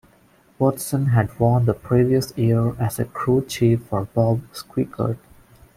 Watson had won the previous year as a crew chief for Bob Sweikert.